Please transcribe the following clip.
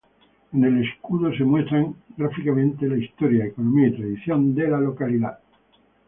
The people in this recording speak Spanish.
En el escudo se muestra gráficamente la historia, economía y tradición de la localidad.